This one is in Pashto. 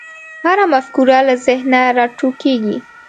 هره مفکوره له ذهنه راټوکېږي.